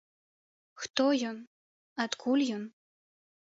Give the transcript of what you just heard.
Хто ён, адкуль ён?